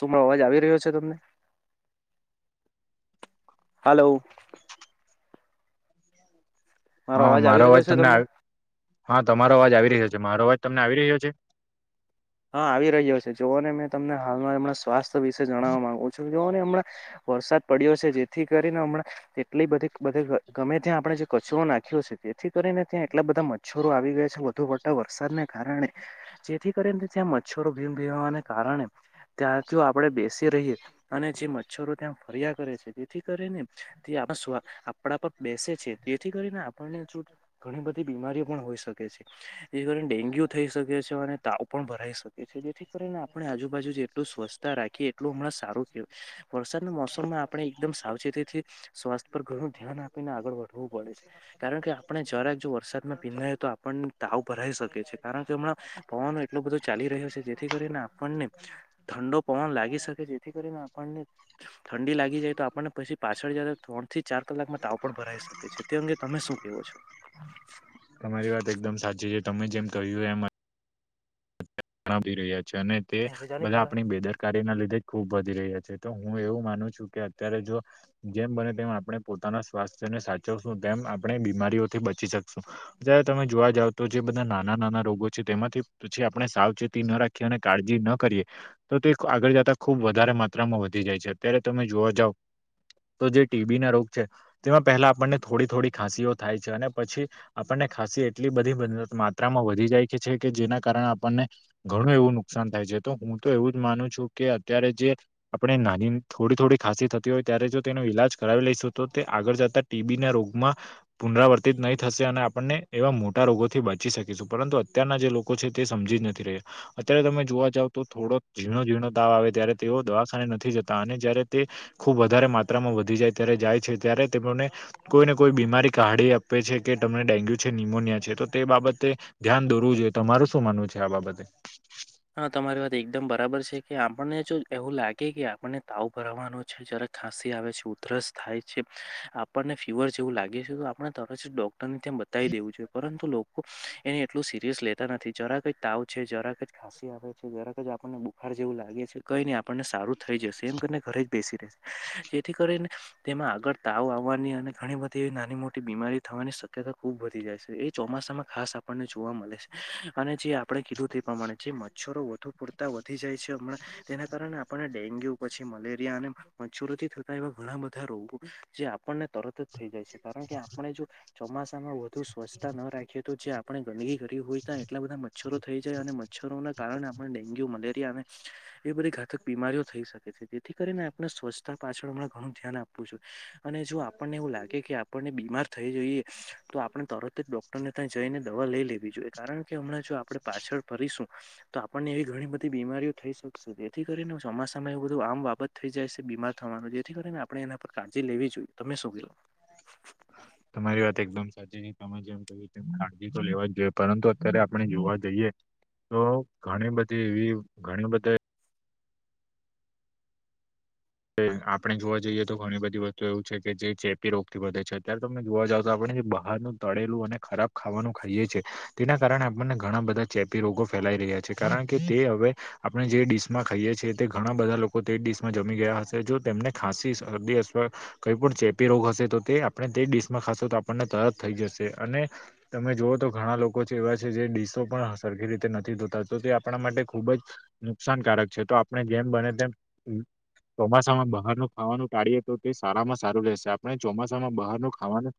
શુંમા અવાજ આવી રહ્યો છે તમને હલો હા મારો અવાજ તમને આ હા તમારો અવાજ આવી રહ્યો છે મારો અવાજ તમને આવી રહ્યો છે? હા આવી રહ્યો છે જોઓ ને મેં તમને હાલમાં હમણાં સ્વાસ્થ્ય વિશે જણાવવા માંગુ છું જો ને હમણાં વરસાદ પડ્યો છે જેથી કરીને હમણાં તેટલી બધી બધે ગ ગમે ત્યાં આપણે જે કચરો નાખ્યો છે તેથી કરીને ત્યાં એટલા બધા મછ મચ્છરો આવી ગયા છે વધુ પડતા વરસાદને કારણે જેથી કરીને ત્યાં મચ્છરો ભીમ ભીમવાને કારણે ત્યાં જો આપણે બેસી રહીએ અને જે મચ્છરો ત્યાં ફર્યા કરે છે તેથી કરીને તે આપણા સ્વા આપણા પર બેસે છે તેથી કરીને આપણને જો ઘણી બધી બીમારીઓ પણ હોઈ શકે છે. એ કરીને ડેન્ગ્યુ થઈ શકે છે અને તાવ પણ ભરાઈ શકે છે જેથી કરીને આપણે આજુ બાજુ જેટલું સ્વચછતા રાખીએ એટલું હમણાં સારું કેવું વરસાદના મોસમમાં આપણે એકદમ સાવચેતીથી સ્વાસ્થ્ય પર ઘણું ધ્યાન આપીને આગળ વધવું પડે છે. કારણ કે આપણે જરાક જો વરસાદમાં ભીંનાય તો આપણને તાવ ભરાઈ શકે છે કારણ કે હમણાં પવનો એટલો બધો ચાલી રહ્યો છે જેથી કરીને આપણને ઠંડો પવન લાગી શકે જેથી કરીને આપણને ઠંડી લાગી જાય તો આપણને પછી પાછળ જ ત્રણ થી ચાર કલાકમાં તાવ પણ ભરાઈ શકે છે. તે અંગે તમે શું કેવો છો? તમારી વાત એકદમ સાચી છે તમે જેમ કહ્યું એમ કાપી રહ્યા છે અને તે કે જાણી બધા તારા આપણી બેદર કારીના લીધે જ ખૂબ વધી રહ્યા છે તો હું એવું માનું છું કે અત્યારે જો જેમ બને તેમ આપણે પોતાના સ્વાસ્થ્યને સાચવશું તેમ આપણે બીમારીઓથી બચી શકશું. જયારે તમે જોવા જાવ તો જે બધા નાના-નાના રોગો છે તેમાંથી પછી આપણે સાવ ચેતી ના રાખીએ અને કાળજી ન કરીએ તો તે આગળ જતા ખુબ વધારે માત્રામાં વધી જાય છે અત્યારે તમે જોવા જાવ તો જે ટીબી ના રોગ છે તેમાં પહેલા આપણને થોડી થોડી ખાંસીઓ થાય છે અને પછી આપણને ખાસી એટલી બધી માત્રામાં વધી જાય છે કે જેના કારણે આપણને ઘણું એવું નુકસાન થાય છે તો હું તો એવું જ માનું છું કે અત્યારે જે આપણે નાની થોડી થોડી ખાંસી થતી હોય ત્યારે જો તેનો ઈલાજ કરાવી લઈશું તો તે આગળ જતા ટીબીના રોગમાં પુનરાવર્તિત નહી થશે અને આપણને એવા મોટા રોગોથી બચી શકીશું પરંતુ અત્યારના જે લોકો લોકો છે તે સમજી જ નથી રહ્યા. અત્યારે તમે જોવા જાવ તો થોડો ઝીણો-ઝીણો તાવ આવે ત્યારે તેઓ દવાખાને નથી જતા અને જ્યારે તે ખૂબ વધારે માત્રામાં વધી જાય ત્યારે જાય છે ત્યારે તેમોને કોઈને કોઈ બીમારી કાઢી આપે છે કે તમને ડેન્ગ્યુ છે નિમોનિયા છે તો તે બાબતે ધ્યાન દોરવું જોઈએ તો મારું શું માનવું છે આ બાબતે? હા તમારી વાત એકદમ બરાબર છે કે આપણને જો એવું લાગે કે આપણને તાવ ભરાવાનો છે જરા ખાંસી આવે છે. ઉધરસ થાય છે. આપણને ફીવર જેવું લાગે છે તો આપને તરત ડોક બતાવી દેવું જોઈ પરંતુ લોકો એને એટલું સિરિયસ લેતા નથી જરા કઈ તાવ છે જરા કઈ ખાંસી આવે છે દરેક જ આપણને બુખાર જેવું લાગે છે. કઈ નહી આપણને સારું થઈ જશે એમ કરીને ઘરે જ બેસી રહેશે જેથી કરીને તેમાં આગળ તાવ આવવાની અને ઘણી બધી એવી નાની મોટી બીમારી થવાની શક્યતા ખૂબ વધી જાય છે એ ચોમાસામાં ખાસ આપણને જોવા મળે છે અને જે આપણે કીધું તે એ પ્રમાણે. જે મચ્છરો વધુ પૂરતા વધી જાય છે હમણાં તેના કારણે આપણણે ડેન્ગ્યુ પછી મલેરિયા અને મચુરથી થતા એવા ઘણા બધા રોગો જે આપણને તરત જ થઈ જાય છે કારણ કે આપણે જો ચોમાસામાં વધુ સ્વચ્છતા ના રાખીએ તો જે આપણે ગંદકી કરી હોય તા એટલા બધા મચ્છરો થઈ જાય અને મચ્છરોને કારણે આપણે ડેન્ગ્યુ, મલેરિયા અને એ બધી ઘાતક બીમારીઓ થઈ શકે છે જેથી કરીને આપણે સ્વચ્છતા પાછળ હમણા ઘણું ધ્યાન આપવું છું. અને જો આપણને એવું લાગે કે આપણને બીમાર થઈ જોઈએ તો આપણે તરત જો ડોક્ટરને ત્યા જઈને દવા લઈ લેવી જોઈએ કારણ કે હમણાં જો આપણે પાછળ ફરીશું તો આપણને એવી ઘણી બધી બીમારીઓ થઈ શકશે જેથી કરીને હું સોમાસસામાં એવું બધું આમ બાબત થઈ જાય છે બીમાર થવાનું જેથી કરીને આપણે એના પર કાળજી લેવી જોઈએ તમે શું કેઓ. તમારી વાત એકદમ સાચી મે જેમ ક તેમ ખાળજી તો લેવા જ જોઈએ પરંતુ અત્યારે આપણે જોવા જઈએ તો ઘણી બધી એવી ઘણી બધી આપણે જોવા જઈએ તો ઘણી બધી વસ્તુ એવું છે કે જે ચેપી રોગથી વધે છે અત્યારે તમે જોવા જાવ તો આપણે જે બ તળેલું અને ખરાબ ખાવાનું ખાઈએ છી તેના કારણે આપણને ઘણા બધા ચેપી રોગો ફેલાઈ રહ્યા છે કારણ કે તે હવે આપણે જે ડીશ માં ખાઈએ છીએ તે ઘણા બધા લોકો તે જ ડીશ માં જમી ગયા હતા જો તેમને ખાંસી કઈ પણ ચેપી રોગ હશે તો તે આપણે તે ડડીશમાં ખાશ તો આપણને તરત થઈ જશે અને તમે જોુઓ તો ઘણા લોકો છે એવા છે જે ડીશો પણ સરખી રીતે નથી ધોતા તો તે આપણા માટે ખૂબ જ નુકસાનકારક છે તો આપણે જેમ બને તેમ ચોમાસામાં બહારનું ખાવાનું ટાળીયએ તો તે સારામાં સારું રહેેશે આપણે ચોમાસામાં બહારનું ખાવાનું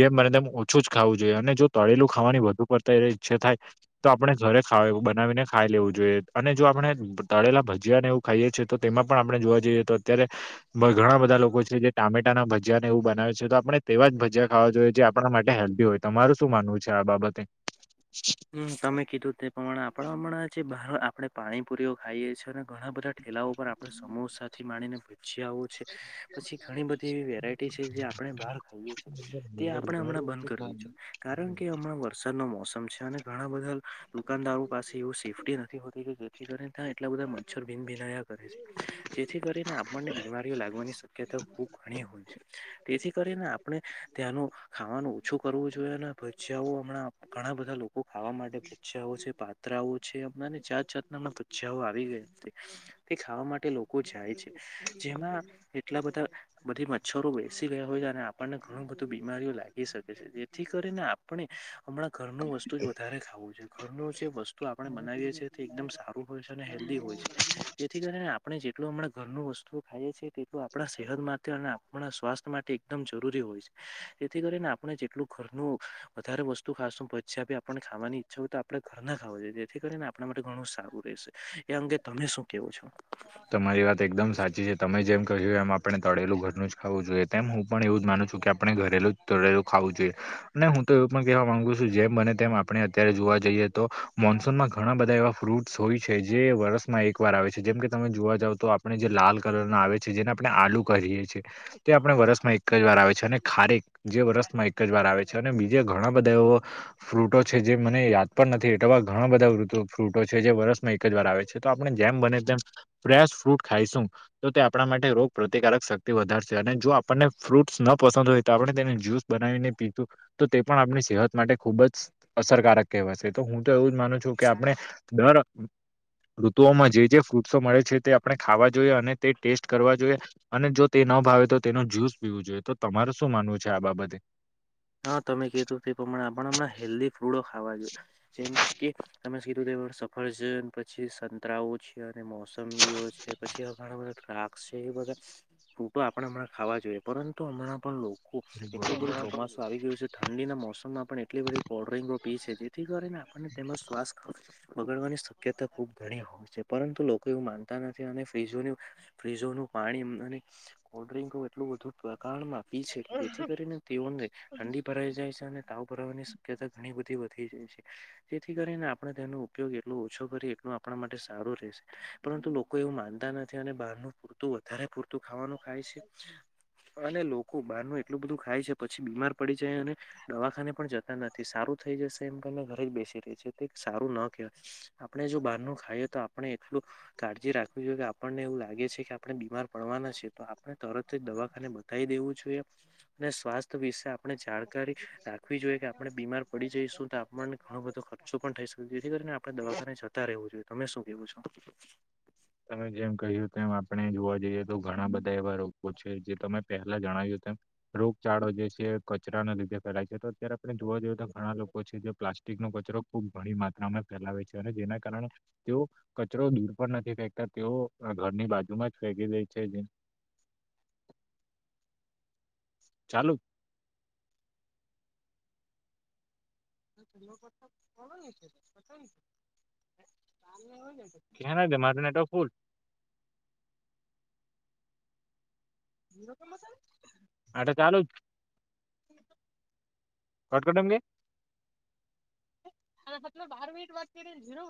જેમ મને તેમમ ઓછું જ ખાવું જોઈએ અને જો તળેલું ખાવાની વધુ પડતા ઈચ્છા થાય તો આપણે ઘરે ખ બનાવીને ખાઈ લેવું જોઈએ અને જો આપણે તળેલા ભજીયા ને એવું ખાઈએ છીએ તો તેમાં પણ આપણે જોવા જઈએ તો અત્યારે ઘણા બધા લોકો છે જે ટામેટા ના ભજીયા ને એવું બનાવે છે તો આપણે તેવા જ ભજીયા ખાવા જોઈએ જે માટે હેલ્પી હોય તમારું શું માનવું છે આ બાબતે હમ તમે કીધું તે પ્રમાણે આપડણા હમણાં જે બહાર આપડણે પાણીપુરીઓ ખાઈએ છ છે ને ઘણા બધા ઠેલાઓ પર આપણે સમોસાથી માણીને ભજીયા છે પછી ઘણી બધી એવી વેરાયટી આપ બાર તે આપણેમણાં બંધ કર જોઈએ કારણ કે હણા સર નમ [inaudible] [unintelligible] અને ઘણા બધા દુકાનદારો પાસે એવું સેફી નથી હોતી કે જેથી કરીને ત્યાં એટલા બધા મચ્છર ભિનભિનયા કરે છે જેથી કરીને આપણને બીમારીઓ લાગવાની શક્યતા ખૂબ ઘણી હોય છે તેથી કરીને આપણે ત્યાંનું ખાવાનું ઓછું કરવું જોઈએ અને ભજીાઓ હમણાં ઘણા બધા લોકો ખાવા માટે ભુજાઓ છે પાતરાઓ છે હમણાં ની જાત જાાત ના ભુજાઓ આવી ગયા હતી તે ખાવા માટે લોકો જાય છે જેમાં એટલા બધા બધી મચ્છરો બેસી ગયા હોય આપણને ઘણું બધું બીમારીઓ લાગી શકે છે જેથી કરીને આપણે હમણાં ઘરનું વસ્તુ વસ્તુ જ વધારે ખાવું છે ઘરનું જે છે વસ્તુ તો આપણે બનાવીએ છીએ તે એકદમ સારું હોય છે અને હેલ્ધી હોય છે જેથી કરીને આપણે જેટલું હણા ઘરનું વસ્તુ ખાઈએ છીએ તેટલ આપણા સેહતમાં અને આપણા સ્વાસ્થ્ય માટે એકદમ જરૂરી હોય છે જેથી કરીને આપણે જેટલું ઘરનું વધારે વસ્તુ ખાાસું ભ આપણને ખાવાની ઈચ્છા હોય તો આપણે ઘર ના ખાવ જોઈએ જેથી કરીને આપણા માટે ઘણું સારું રહેશે એ અંગે તમે શું કેવો છો તમારી વાત એકદમ સાચી છે તમે જેમ કહ્યું એમ આપણે તળેલું ઘરનું જ ખાવું જોઈએ તેમ હું પણ એવું જ માનું છું કે આપણે ઘરેલું જ તોડલું ખાવું જોઈએ અને હું તો એવું પણ કેહેવા મામાંગુ છું જેમ બને તેમ આપણે અત્યારે જોવા જઈએ તો મોન્સૂનમાં ઘણા બધા એવા ફ્રૂટસ હોય છે જે વર્ષમાં એક વાર આવે છે જેમ કે તમે જોવા જાવ તો આપણે જે લાલ કલર ના આવે છે જેને આપણે આલુ કરીએ છીએ તે આપણે વરસમાં એક જ વાર આવે છે અને ખરેક જે વર્ષમાં એક જ વાર આવે છે અને બીજા ઘણા બધા એવો ફ્રૂટો છે જે મને યાદ પણ નથી એટવા ઘણા બધા ફ્રૂટો છે જે વર્ષમાં એક જ વાર આવે છે તો આપણે જેમ બને તેમ ફ્રેશ ફ્રૂટ ખાઈશું તો તે આપણા માટે રોગ પ્ર્રતિકારક શક્તિ વધારશે અને જો આપણને ફ્રૂટ્સ ન પસંદ હોય તો આપણે તેની જ્યુસ બનાવીને પીતું તો તે પણ આપણી સેહત માટે ખૂબ જ અસરકારક કહેવાશે તો હું તો એવું જ માનું છું કે આપણે દર ઋતુઓમાં જે જે ફ્રૂટ્સો મળે છે તે આપણે ખાવા જોઈએ અને તે ટેસ્ટ કરવા જોઈએ અને જો તે ન ભાવે તો તેનો જ્યુસ પીવું જોઈએ તો તમારે શું માનવું છે આ બાબતે હા તમે ક તું તે પ્રમાણે આપણ હમં હેલ્ધ ફૂડો ખાવા જોએ જેમ કે તમે કીધું ફર્જન, પછી સંતરાઓ છે અને મોસંબીઓ છે, પછી ઘણા બધા ટ્રાક છે, એ બધા ફ્રૂટો આપણે હમણાં ખાવા જોઈએ, પરંતુ હમણાં પણ લોકો કો એટલું બધું ચોમાસું આવી ગયું છે. ઠંડીના મોસમમાં પણ એટલી બધી કોલ્ડ્રિંગ રો પી છે જેથી કરીને આપણને તેમાં શ્વાસ કફ બગડવાની શક્યતા ખુબ ઘણી હોય છે, પરંતુ લોકો એવું માનતા નથી અને ફ્રીજોની ફ્રીજોનું પાણી કોલ્ ડ્રિંકો એટલું બુ પ્રકાણમાં પી છે, જેથી કરીને તેઓ ને ઠંડી ભરાઈ જાય છે અને તાવ ભરાવાની શક્યતા ઘણી બધી વધી જાય છે. જેથી કરીને આપડે તેનો ઉપયોગ એટલો ઓછો કરીએ એટલું આપણા માટે સારું રહેશે. પરંતુ લોકો એવું માનતા નથી અને બહાર નનું પૂરતું વધારે પૂરતું ખાવાનું ખાય છે અને લોકો બહારનું એટલું બધું ખાય છે પછી બીમાર પડી જાય અને દવાખાને પણ જતા નથી સારું થઈ જશે એમ તને ઘરે જ બેસી રહી છે, તે સારું ન કહેવાય. આપણે જો બહારનું ખાઈએ તો આપણે એટલું કાળજી રાખવી જોઈએ કે આપણને એવું લાગે છે કે આપણે બીમાર પડવાના છે, તો આપણે તરત જ દવાખાને બત કઈ દેવું જોઈએ અને સ્વાસ્થ્ય વિશે આપણે જાણ [unintelligible] રાખવી જોઈએ કે આપડે બીમાર પડી જઈશું તો આપણને ઘણો બધો ખર્ચો પણ થઈ શકે જેથી કરીને આપડે દવાખાને જતા રહેવું જોઈએ, તમે શું કેવું છો? તમે જેમ કહ્યું તેમ આપણે જોવા જઈએ તો ઘણા બધા એવા રોગો છે જે તમે પહેલા જણાવ્યું તેમ રોગચાળો જે છે કચરાના લીધે ફેલાય છે, તો અત્યારે આપણે જોવા જઈએ તો ઘણા લોકો છે જે પ્લાસ્ટ ટીકનો કચરો ખૂબ ઘણી માત્રામાં ફેલાવે છે અને જેના કારણે તેઓ કચરો દૂર પણ નથી ફેંક તેઓ ઘરની બાજુમાં જ ફેકી દે છે, જેમ ચાલુ કેના દ માનેટ ફૂલ હા તો ચાલુજ હોટ કરી દવ કે? ફતલો બાર મીટ વાત કરીને જીરો